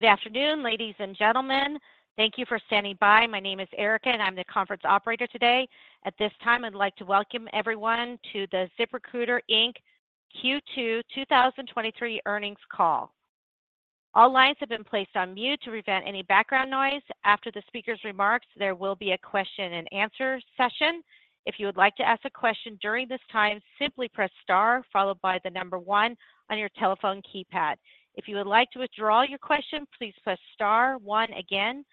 Good afternoon, ladies and gentlemen. Thank you for standing by. My name is Erica, and I'm the conference operator today. At this time, I'd like to welcome everyone to the ZipRecruiter Inc. Q2 2023 Earnings Call. All lines have been placed on mute to prevent any background noise. After the speaker's remarks, there will be a question and answer session. If you would like to ask a question during this time, simply press star, followed by the number one on your telephone keypad. If you would like to withdraw your question, please press star one again.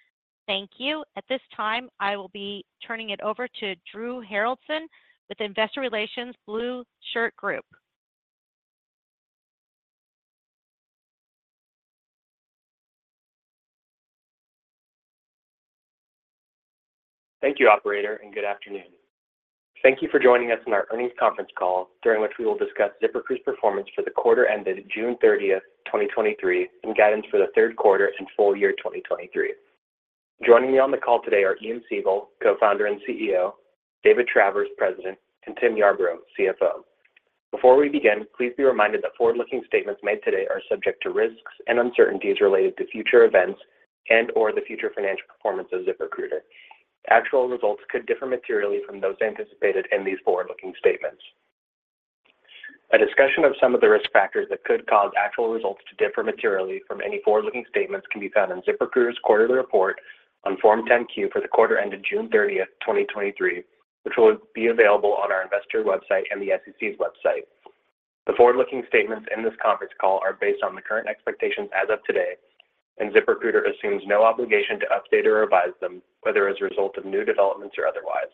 Thank you. At this time, I will be turning it over to Drew Harwe with Investor Relations The Blueshirt Group. Thank you, operator. Good afternoon. Thank you for joining us on our earnings conference call, during which we will discuss ZipRecruiter's performance for the quarter ended June 30th, 2023, and guidance for the third quarter and full year 2023. Joining me on the call today are Ian Siegel; Co-Founder and CEO, David Travers; President, and Tim Yarbrough; CFO. Before we begin, please be reminded that forward-looking statements made today are subject to risks and uncertainties related to future events and/or the future financial performance of ZipRecruiter. Actual results could differ materially from those anticipated in these forward-looking statements. A discussion of some of the risk factors that could cause actual results to differ materially from any forward-looking statements can be found in ZipRecruiter's quarterly report on Form 10-Q for the quarter ended June 30th, 2023, which will be available on our investor website and the SEC's website. The forward-looking statements in this conference call are based on the current expectations as of today, ZipRecruiter assumes no obligation to update or revise them, whether as a result of new developments or otherwise.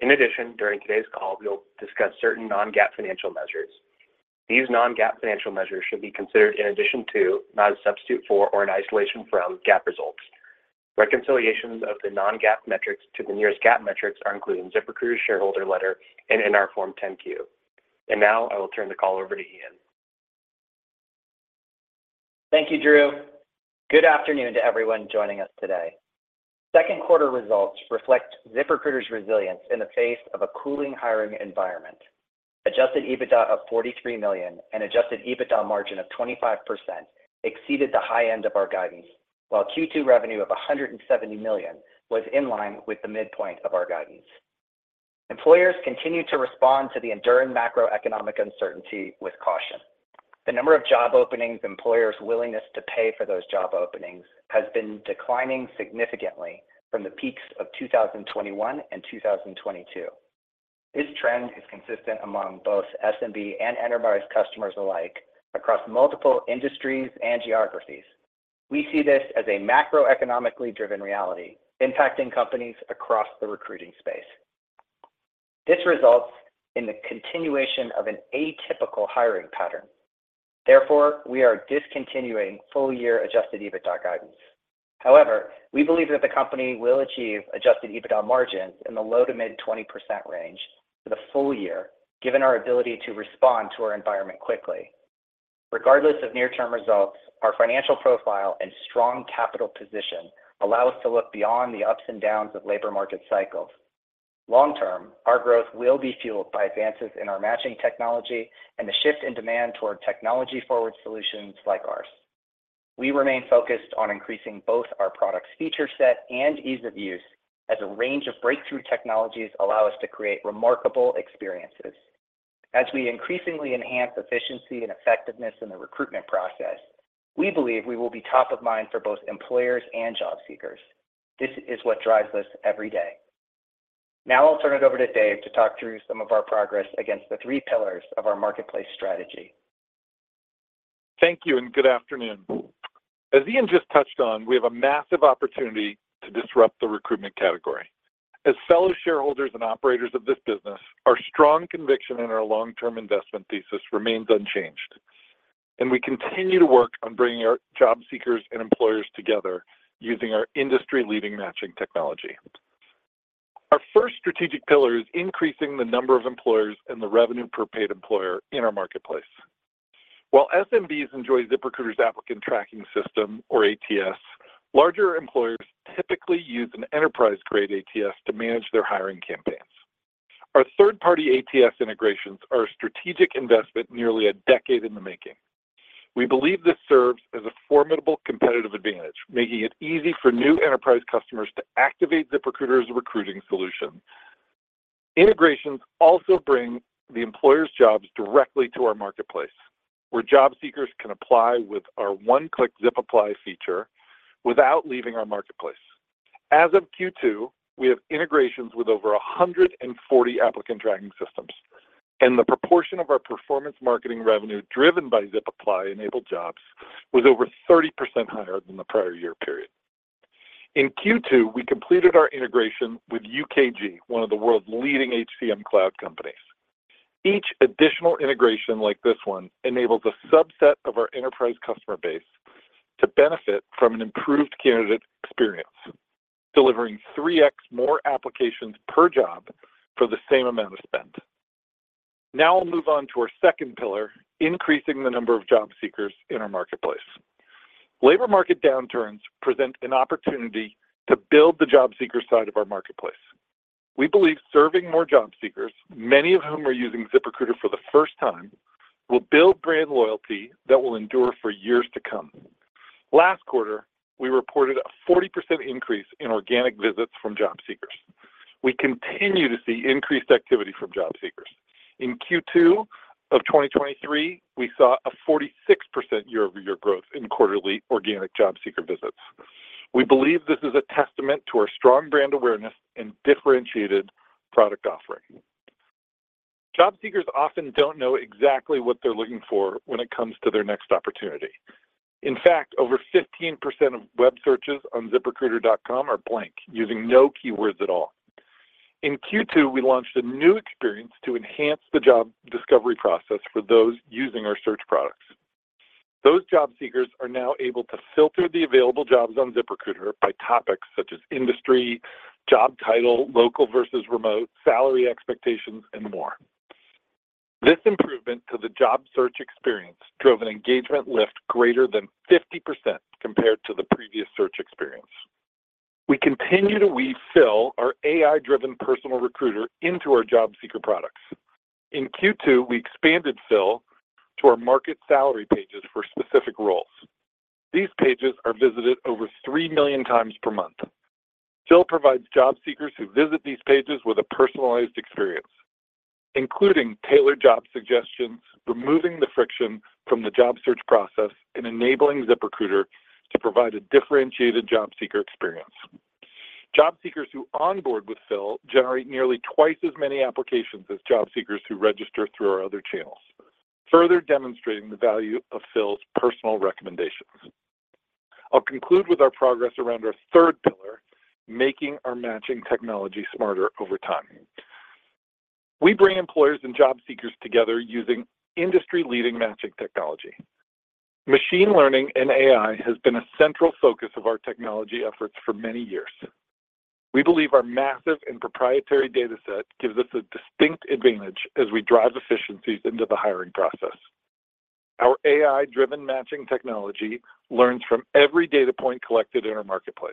In addition, during today's call, we'll discuss certain non-GAAP financial measures. These non-GAAP financial measures should be considered in addition to, not a substitute for, or in isolation from GAAP results. Reconciliations of the non-GAAP metrics to the nearest GAAP metrics are included in ZipRecruiter's shareholder letter and in our Form 10-Q. Now I will turn the call over to Ian. Thank you, Drew. Good afternoon to everyone joining us today. Second quarter results reflect ZipRecruiter's resilience in the face of a cooling hiring environment. Adjusted EBITDA of $43 million and adjusted EBITDA margin of 25% exceeded the high end of our guidance, while Q2 revenue of $170 million was in line with the midpoint of our guidance. Employers continue to respond to the enduring macroeconomic uncertainty with caution. The number of job openings, employers' willingness to pay for those job openings, has been declining significantly from the peaks of 2021 and 2022. This trend is consistent among both SMB and enterprise customers alike, across multiple industries and geographies. We see this as a macroeconomically driven reality, impacting companies across the recruiting space. This results in the continuation of an atypical hiring pattern. We are discontinuing full-year adjusted EBITDA guidance. However, we believe that the company will achieve Adjusted EBITDA margins in the low-to-mid 20% range for the full year, given our ability to respond to our environment quickly. Regardless of near-term results, our financial profile and strong capital position allow us to look beyond the ups and downs of labor market cycles. Long term, our growth will be fueled by advances in our matching technology and the shift in demand toward technology-forward solutions like ours. We remain focused on increasing both our product's feature set and ease of use, as a range of breakthrough technologies allow us to create remarkable experiences. As we increasingly enhance efficiency and effectiveness in the recruitment process, we believe we will be top of mind for both employers and job seekers. This is what drives us every day. Now I'll turn it over to Dave to talk through some of our progress against the three pillars of our marketplace strategy. Thank you, and good afternoon. As Ian just touched on, we have a massive opportunity to disrupt the recruitment category. As fellow shareholders and operators of this business, our strong conviction in our long-term investment thesis remains unchanged, and we continue to work on bringing our job seekers and employers together using our industry-leading matching technology. Our first strategic pillar is increasing the number of employers and the revenue per paid employer in our marketplace. While SMBs enjoy ZipRecruiter's applicant tracking system or ATS, larger employers typically use an enterprise-grade ATS to manage their hiring campaigns. Our third-party ATS integrations are a strategic investment nearly a decade in the making. We believe this serves as a formidable competitive advantage, making it easy for new enterprise customers to activate ZipRecruiter's recruiting solution. Integrations also bring the employer's jobs directly to our marketplace, where job seekers can apply with our one-click ZipApply feature without leaving our marketplace. As of Q2, we have integrations with over 140 applicant tracking systems, and the proportion of our performance marketing revenue driven by ZipApply-enabled jobs was over 30% higher than the prior year period. In Q2, we completed our integration with UKG, one of the world's leading HCM cloud companies. Each additional integration like this one enables a subset of our enterprise customer base to benefit from an improved candidate experience, delivering 3x more applications per job for the same amount of spend. Now we'll move on to our second pillar: increasing the number of job seekers in our marketplace. Labor market downturns present an opportunity to build the job seeker side of our marketplace. We believe serving more job seekers, many of whom are using ZipRecruiter for the first time, will build brand loyalty that will endure for years to come. Last quarter, we reported a 40% increase in organic visits from job seekers. We continue to see increased activity from job seekers. In Q2 of 2023, we saw a 46% year-over-year growth in quarterly organic job seeker visits. We believe this is a testament to our strong brand awareness and differentiated product offering. Job seekers often don't know exactly what they're looking for when it comes to their next opportunity. In fact, over 15% of web searches on ziprecruiter.com are blank, using no keywords at all. In Q2, we launched a new experience to enhance the job discovery process for those using our search products. Those job seekers are now able to filter the available jobs on ZipRecruiter by topics such as industry, job title, local versus remote, salary expectations, and more. This improvement to the job search experience drove an engagement lift greater than 50% compared to the previous search experience. We continue to weave Phil, our AI-driven personal recruiter, into our job seeker products. In Q2, we expanded Phil to our market salary pages for specific roles. These pages are visited over three million times per month. Phil provides job seekers who visit these pages with a personalized experience, including tailored job suggestions, removing the friction from the job search process, and enabling ZipRecruiter to provide a differentiated job seeker experience. Job seekers who onboard with Phil generate nearly 2x as many applications as job seekers who register through our other channels, further demonstrating the value of Phil's personal recommendations. I'll conclude with our progress around our third pillar: making our matching technology smarter over time. We bring employers and job seekers together using industry-leading matching technology. Machine learning and AI has been a central focus of our technology efforts for many years. We believe our massive and proprietary data set gives us a distinct advantage as we drive efficiencies into the hiring process. Our AI-driven matching technology learns from every data point collected in our marketplace.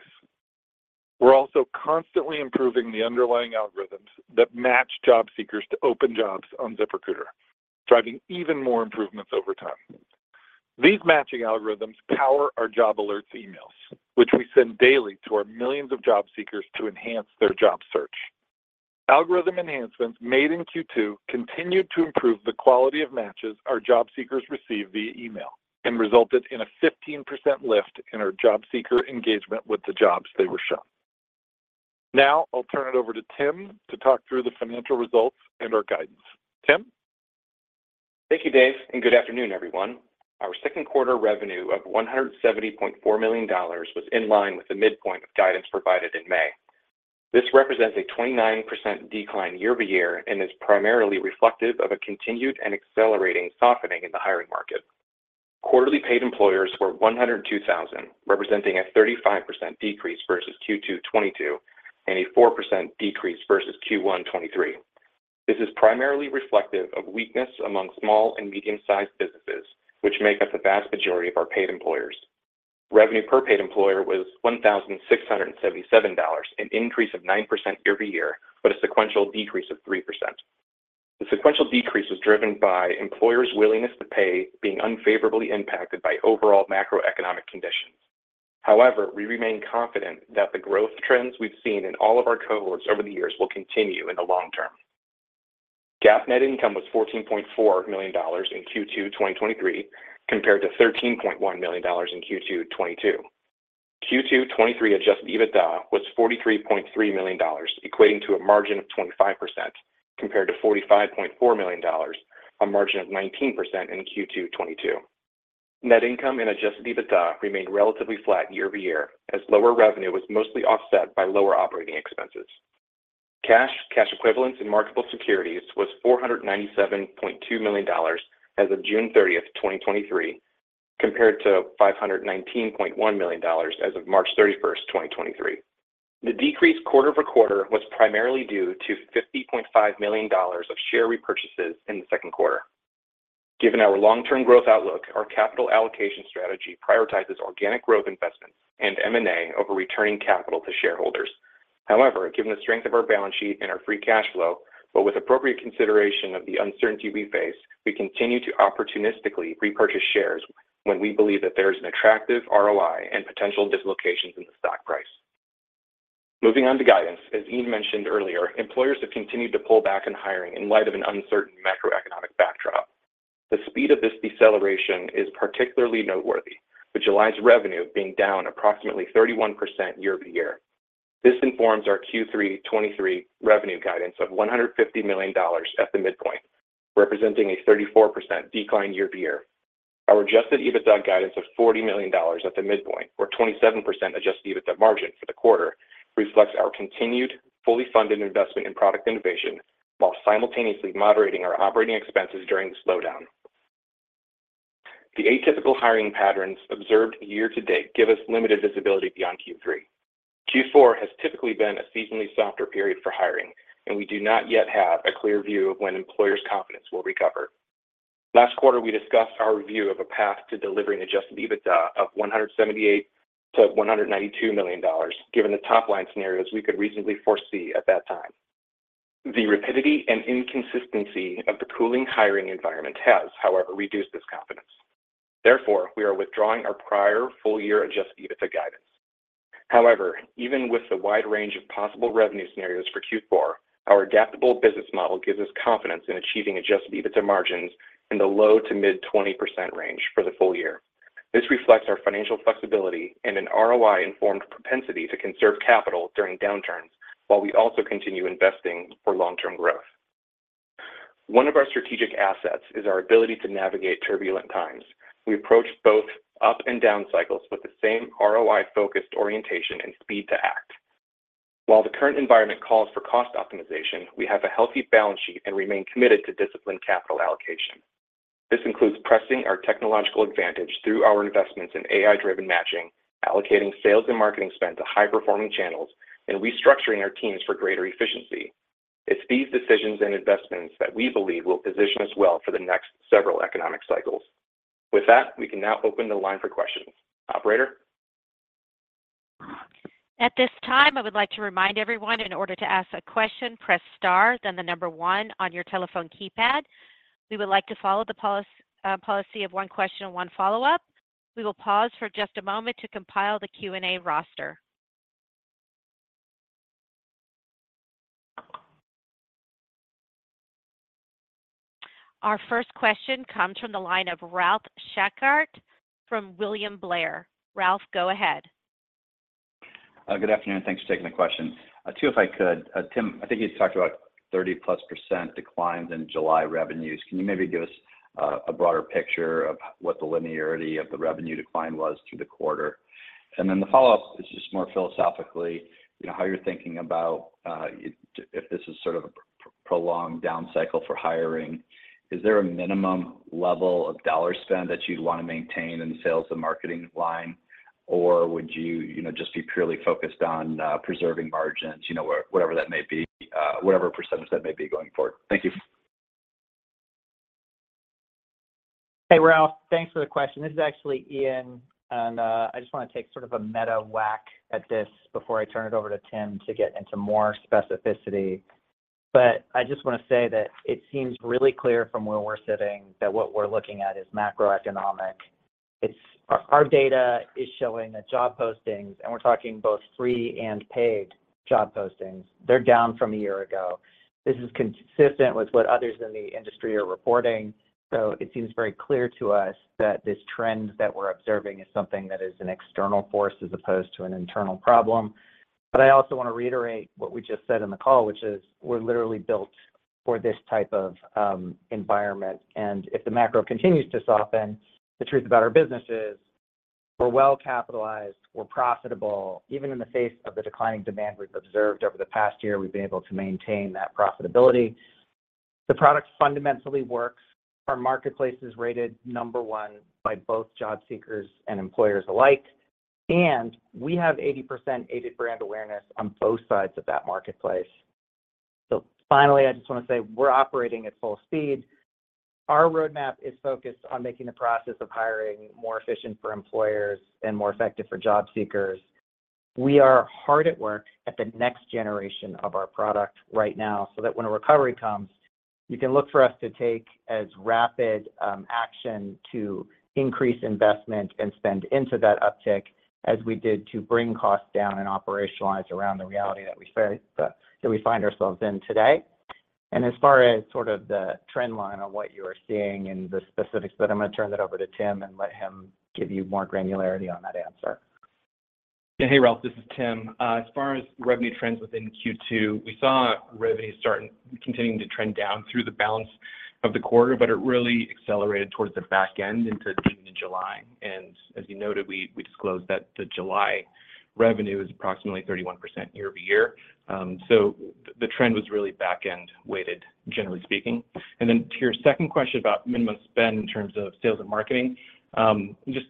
We're also constantly improving the underlying algorithms that match job seekers to open jobs on ZipRecruiter, driving even more improvements over time. These matching algorithms power our job alerts emails, which we send daily to our millions of job seekers to enhance their job search. Algorithm enhancements made in Q2 continued to improve the quality of matches our job seekers receive via email and resulted in a 15% lift in our job seeker engagement with the jobs they were shown. I'll turn it over to Tim to talk through the financial results and our guidance. Tim? Thank you, Dave. Good afternoon, everyone. Our 2nd quarter revenue of $170.4 million was in line with the midpoint of guidance provided in May. This represents a 29% decline year-over-year and is primarily reflective of a continued and accelerating softening in the hiring market. Quarterly paid employers were 102,000, representing a 35% decrease versus Q2 2022 and a 4% decrease versus Q1 2023. This is primarily reflective of weakness among small and medium-sized businesses, which make up the vast majority of our paid employers. Revenue per paid employer was $1,677, an increase of 9% year-over-year, but a sequential decrease of 3%. The sequential decrease was driven by employers' willingness to pay being unfavorably impacted by overall macroeconomic conditions. However, we remain confident that the growth trends we've seen in all of our cohorts over the years will continue in the long term. GAAP net income was $14.4 million in Q2 2023, compared to $13.1 million in Q2 2022. Q2 2023 Adjusted EBITDA was $43.3 million, equating to a margin of 25%, compared to $45.4 million, a margin of 19% in Q2 2022. Net income and Adjusted EBITDA remained relatively flat year-over-year, as lower revenue was mostly offset by lower operating expenses. Cash, cash equivalents, and marketable securities was $497.2 million as of June 30th, 2023, compared to $519.1 million as of March 31st, 2023. The decrease quarter-over-quarter was primarily due to $50.5 million of share repurchases in the second quarter. Given our long-term growth outlook, our capital allocation strategy prioritizes organic growth investments and M&A over returning capital to shareholders. However, given the strength of our balance sheet and our free cash flow, but with appropriate consideration of the uncertainty we face, we continue to opportunistically repurchase shares when we believe that there is an attractive ROI and potential dislocations in the stock price. Moving on to guidance, as Ian mentioned earlier, employers have continued to pull back in hiring in light of an uncertain macroeconomic backdrop. The speed of this deceleration is particularly noteworthy, with July's revenue being down approximately 31% year-over-year. This informs our Q3 2023 revenue guidance of $150 million at the midpoint, representing a 34% decline year-over-year. Our Adjusted EBITDA guidance of $40 million at the midpoint, or 27% Adjusted EBITDA margin for the quarter, reflects our continued fully funded investment in product innovation, while simultaneously moderating our operating expenses during the slowdown. The atypical hiring patterns observed year to date give us limited visibility beyond Q3. Q4 has typically been a seasonally softer period for hiring, and we do not yet have a clear view of when employers' confidence will recover. Last quarter, we discussed our review of a path to delivering Adjusted EBITDA of $178 -192 million, given the top-line scenarios we could reasonably foresee at that time. The rapidity and inconsistency of the cooling hiring environment has, however, reduced this confidence. Therefore, we are withdrawing our prior full-year Adjusted EBITDA guidance. However, even with the wide range of possible revenue scenarios for Q4, our adaptable business model gives us confidence in achieving Adjusted EBITDA margins in the low to mid-20% range for the full year. This reflects our financial flexibility and an ROI-informed propensity to conserve capital during downturns, while we also continue investing for long-term growth. One of our strategic assets is our ability to navigate turbulent times. We approach both up and down cycles with the same ROI-focused orientation and speed to act. While the current environment calls for cost optimization, we have a healthy balance sheet and remain committed to disciplined capital allocation. This includes pressing our technological advantage through our investments in AI-driven matching, allocating sales and marketing spend to high-performing channels, and restructuring our teams for greater efficiency. It's these decisions and investments that we believe will position us well for the next several economic cycles. With that, we can now open the line for questions. Operator? At this time, I would like to remind everyone, in order to ask a question, press star, then 1 on your telephone keypad. We would like to follow the policy of one question, one follow-up. We will pause for just a moment to compile the Q&A roster. Our first question comes from the line of Ralph Schackart from William Blair. Ralph, go ahead. Good afternoon. Thanks for taking the question. If I could. Tim, I think you talked about 30%+ declines in July revenues. Can you maybe give us a broader picture of what the linearity of the revenue decline was through the quarter? The follow-up is just more philosophically, you know, how you're thinking about if this is sort of a prolonged down cycle for hiring. Is there a minimum level of dollar spend that you'd want to maintain in sales and marketing line, or would you know, just be purely focused on preserving margins, you know, where whatever that may be, whatever percentage that may be going forward? Thank you. Hey, Ralph, thanks for the question. This is actually Ian, and I just want to take sort of a meta whack at this before I turn it over to Tim to get into more specificity. I just want to say that it seems really clear from where we're sitting that what we're looking at is macroeconomic. Our data is showing that job postings, and we're talking both free and paid job postings, they're down from a year ago. This is consistent with what others in the industry are reporting. It seems very clear to us that this trend that we're observing is something that is an external force as opposed to an internal problem. I also want to reiterate what we just said in the call, which is we're literally built for this type of environment. If the macro continues to soften, the truth about our business is we're well capitalized, we're profitable. Even in the face of the declining demand we've observed over the past year, we've been able to maintain that profitability. The product fundamentally works. Our marketplace is rated number one by both job seekers and employers alike, and we have 80% aided brand awareness on both sides of that marketplace. Finally, I just want to say we're operating at full speed. Our roadmap is focused on making the process of hiring more efficient for employers and more effective for job seekers. We are hard at work at the next generation of our product right now, so that when a recovery comes, you can look for us to take as rapid action to increase investment and spend into that uptick as we did to bring costs down and operationalize around the reality that we face that we find ourselves in today. As far as sort of the trend line on what you are seeing and the specifics, but I'm going to turn that over to Tim and let him give you more granularity on that answer. Yeah. Hey, Ralph, this is Tim. As far as revenue trends within Q2, we saw revenue starting continuing to trend down through the balance of the quarter, but it really accelerated towards the back end into June and July. As you noted, we, we disclosed that the July revenue is approximately 31% year-over-year. The trend was really back end-weighted, generally speaking. To your second question about minimum spend in terms of sales and marketing, just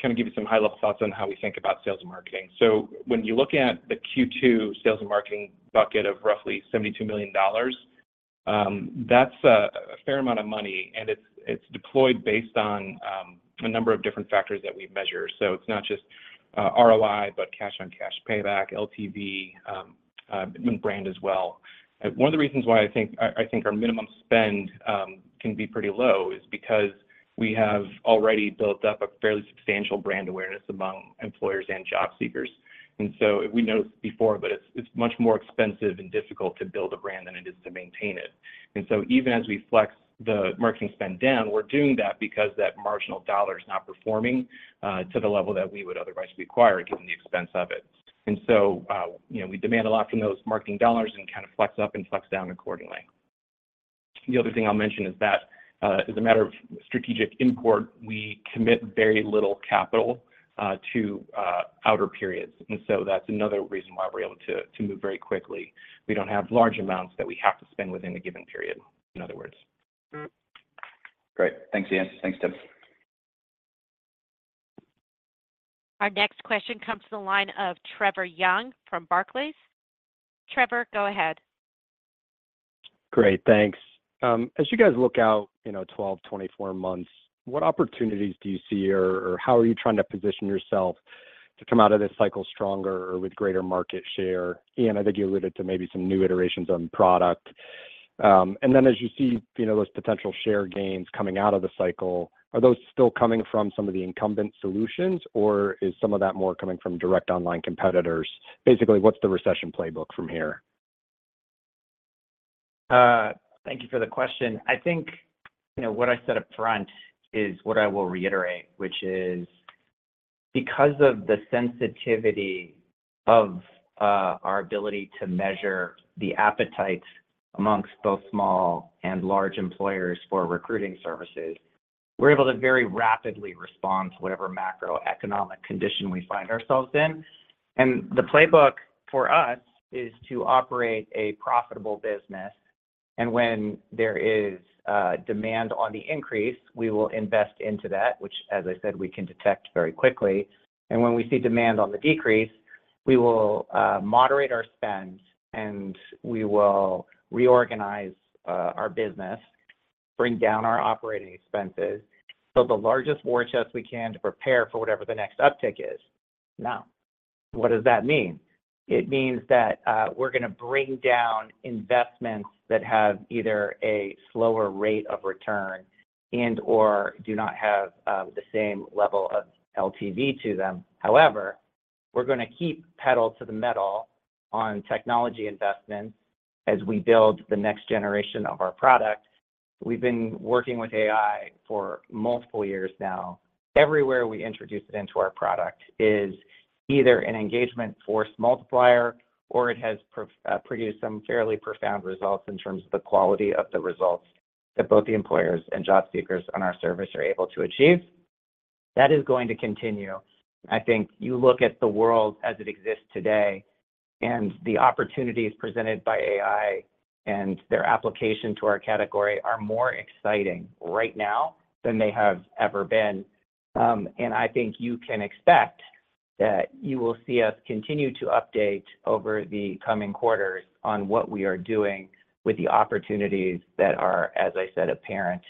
kind of give you some high-level thoughts on how we think about sales and marketing. When you look at the Q2 sales and marketing bucket of roughly $72 million, that's a, a fair amount of money, and it's, it's deployed based on a number of different factors that we measure. It's not just ROI, but cash on cash payback, LTV, brand as well. One of the reasons why I think our minimum spend can be pretty low is because we have already built up a fairly substantial brand awareness among employers and job seekers. We noted this before, but it's much more expensive and difficult to build a brand than it is to maintain it. Even as we flex the marketing spend down, we're doing that because that marginal dollar is not performing to the level that we would otherwise require, given the expense of it. You know, we demand a lot from those marketing dollars and kind of flex up and flex down accordingly. The other thing I'll mention is that, as a matter of strategic import, we commit very little capital to outer periods, and so that's another reason why we're able to move very quickly. We don't have large amounts that we have to spend within a given period, in other words. Great. Thanks, Ian. Thanks, Tim. Our next question comes to the line of Trevor Young from Barclays. Trevor, go ahead. Great, thanks. As you guys look out, you know, 12, 24 months, what opportunities do you see, or, or how are you trying to position yourself to come out of this cycle stronger or with greater market share? I think you alluded to maybe some new iterations on product. Then as you see, you know, those potential share gains coming out of the cycle, are those still coming from some of the incumbent solutions, or is some of that more coming from direct online competitors? Basically, what's the recession playbook from here? Thank you for the question. I think, you know, what I said up front is what I will reiterate, which is because of the sensitivity of our ability to measure the appetite amongst both small and large employers for recruiting services, we're able to very rapidly respond to whatever macroeconomic condition we find ourselves in. The playbook for us is to operate a profitable business, and when there is demand on the increase, we will invest into that, which, as I said, we can detect very quickly. When we see demand on the decrease, we will moderate our spend, and we will reorganize our business, bring down our operating expenses. The largest war chest we can to prepare for whatever the next uptick is. Now, what does that mean? It means that we're gonna bring down investments that have either a slower rate of return and/or do not have the same level of LTV to them. However, we're gonna keep pedal to the metal on technology investments as we build the next generation of our product. We've been working with AI for multiple years now. Everywhere we introduce it into our product is either an engagement force multiplier, or it has produced some fairly profound results in terms of the quality of the results that both the employers and job seekers on our service are able to achieve. That is going to continue. I think you look at the world as it exists today, the opportunities presented by AI and their application to our category are more exciting right now than they have ever been. I think you can expect that you will see us continue to update over the coming quarters on what we are doing with the opportunities that are, as I said, apparent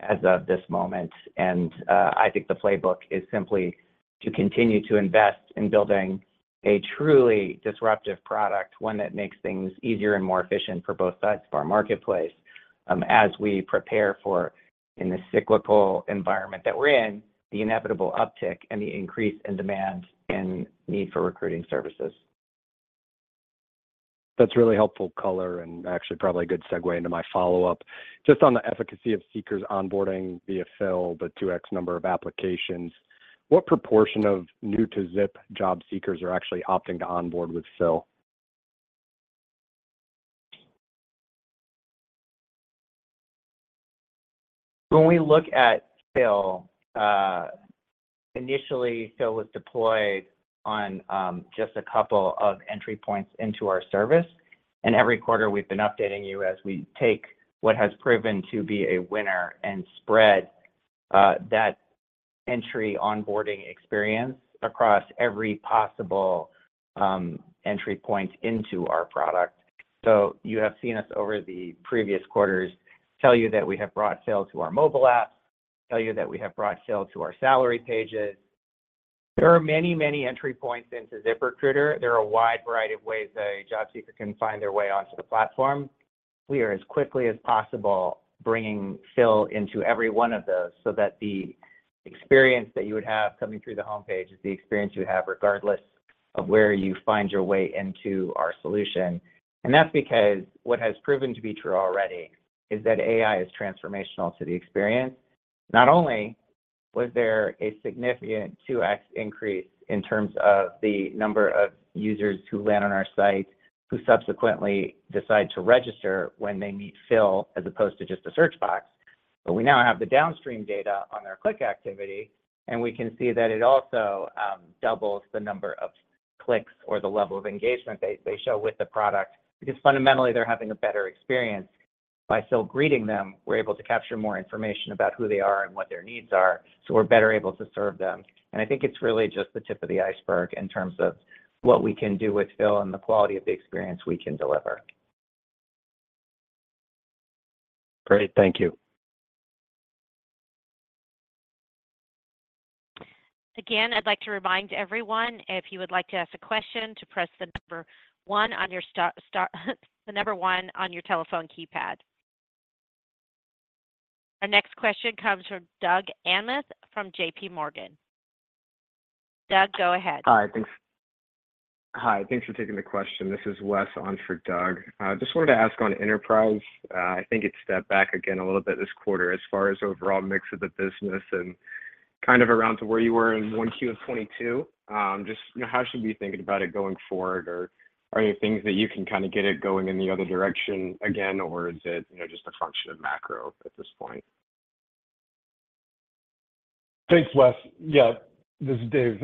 as of this moment. I think the playbook is simply to continue to invest in building a truly disruptive product, one that makes things easier and more efficient for both sides of our marketplace, as we prepare for, in the cyclical environment that we're in, the inevitable uptick and the increase in demand and need for recruiting services. That's really helpful color, and actually probably a good segue into my follow-up. Just on the efficacy of seekers onboarding via Phil, the 2x number of applications, what proportion of new-to-Zip job seekers are actually opting to onboard with Phil? When we look at Phil, initially, Phil was deployed on just a couple of entry points into our service, and every quarter we've been updating you as we take what has proven to be a winner, and spread that entry onboarding experience across every possible entry point into our product. You have seen us over the previous quarters tell you that we have brought Phil to our mobile app, tell you that we have brought Phil to our salary pages. There are many, many entry points into ZipRecruiter. There are a wide variety of ways a job seeker can find their way onto the platform. We are, as quickly as possible, bringing Phil into every one of those, so that the experience that you would have coming through the homepage is the experience you have, regardless of where you find your way into our solution. That's because what has proven to be true already is that AI is transformational to the experience. Not only was there a significant 2x increase in terms of the number of users who land on our site, who subsequently decide to register when they meet Phil, as opposed to just a search box, but we now have the downstream data on their click activity, and we can see that it also doubles the number of clicks or the level of engagement they show with the product. Fundamentally, they're having a better experience. By Phil greeting them, we're able to capture more information about who they are and what their needs are, so we're better able to serve them. I think it's really just the tip of the iceberg in terms of what we can do with Phil and the quality of the experience we can deliver. Great. Thank you. Again, I'd like to remind everyone, if you would like to ask a question, to press the number one on your telephone keypad. Our next question comes from Doug Anmuth from JPMorgan. Doug, go ahead. Hi. Thanks. Hi, thanks for taking the question. This is Wes on for Doug. Just wanted to ask on enterprise. I think it stepped back again a little bit this quarter as far as overall mix of the business and kind of around to where you were in 1Q of 2022. Just, you know, how should we be thinking about it going forward, or are there things that you can kind of get it going in the other direction again, or is it, you know, just a function of macro at this point? Thanks, Wes. Yeah, this is Dave.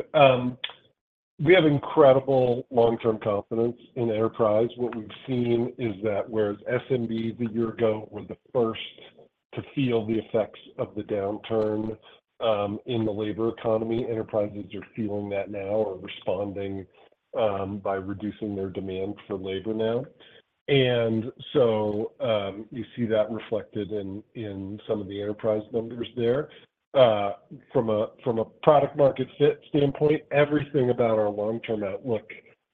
We have incredible long-term confidence in enterprise. What we've seen is that whereas SMB, a year ago, were the first to feel the effects of the downturn in the labor economy, enterprises are feeling that now or responding by reducing their demand for labor now. So, you see that reflected in, in some of the enterprise numbers there. From a product market fit standpoint, everything about our long-term outlook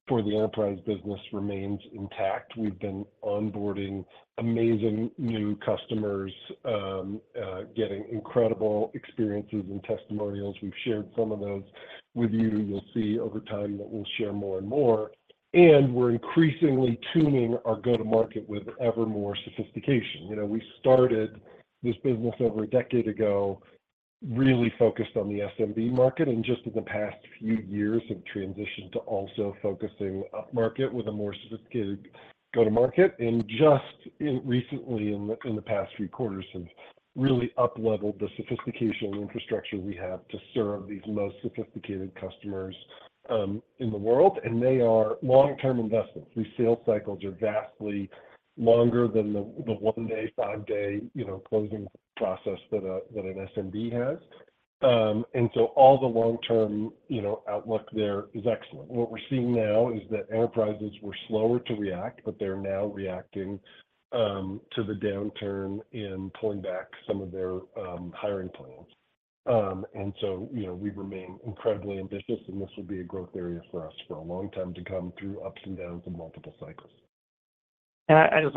for the enterprise business remains intact. We've been onboarding amazing new customers, getting incredible experiences and testimonials. We've shared some of those with you, and you'll see over time that we'll share more and more, and we're increasingly tuning our go-to-market with ever more sophistication. You know, we started this business over a decade ago, really focused on the SMB market, and just in the past few years, have transitioned to also focusing upmarket with a more sophisticated go-to-market. Recently, in the past few quarters, have really upleveled the sophistication and infrastructure we have to serve these most sophisticated customers in the world, and they are long-term investments. These sales cycles are vastly longer than the 1-day, 5-day, you know, closing process that an SMB has. All the long-term, you know, outlook there is excellent. What we're seeing now is that enterprises were slower to react, but they're now reacting to the downturn and pulling back some of their hiring plans. You know, we remain incredibly ambitious, and this will be a growth area for us for a long time to come, through ups and downs and multiple cycles. I, I just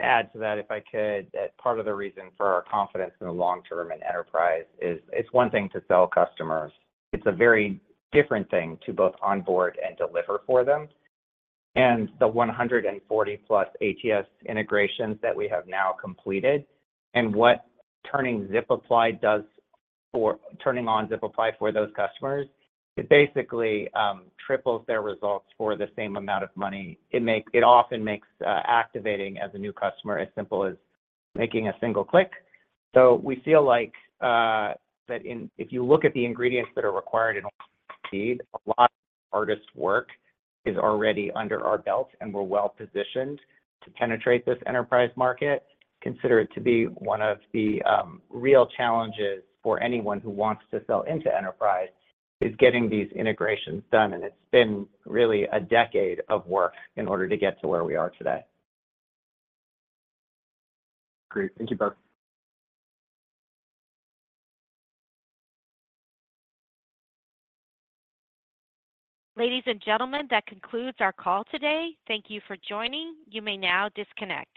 wanna add to that, if I could, that part of the reason for our confidence in the long term in enterprise is it's one thing to sell customers, it's a very different thing to both onboard and deliver for them. The 140-plus ATS integrations that we have now completed, and turning on ZipApply for those customers, it basically triples their results for the same amount of money. It often makes activating as a new customer as simple as making a single click. We feel like that if you look at the ingredients that are required, a lot of hardest work is already under our belt, and we're well-positioned to penetrate this enterprise market. Consider it to be one of the real challenges for anyone who wants to sell into enterprise, is getting these integrations done, and it's been really a decade of work in order to get to where we are today. Great. Thank you, both. Ladies and gentlemen, that concludes our call today. Thank you for joining. You may now disconnect.